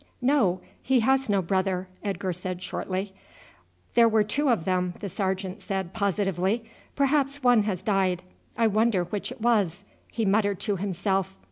"No, he has no brother," Edgar said shortly. "There were two of them," the sergeant said positively. "Perhaps one has died. I wonder which it was," he muttered to himself.